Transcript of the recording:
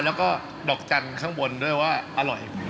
แล้วก็ดอกจันทร์ข้างบนด้วยว่าอร่อย